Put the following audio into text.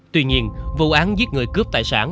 tuy nhiên vụ án giết người cướp tài sản